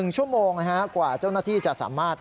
๑ชั่วโมงกว่าเจ้าหน้าที่จะสามารถ